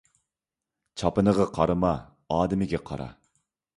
چاپىنىغا قارىما، ئادىمىگە قارا